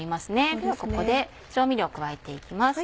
ではここで調味料加えていきます。